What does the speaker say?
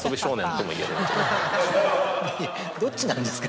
どっちなんですか。